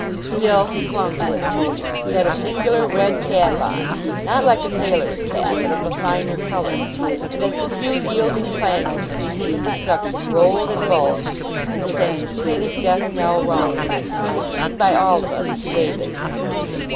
Still, he clung to it. He had a singular red cap on, not like a sailor's cap, but of a finer colour; and as the few yielding planks between him and destruction rolled and bulged, and his anticipative death knell rung, he was seen by all of us to wave it.